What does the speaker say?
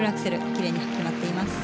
奇麗に決まっています。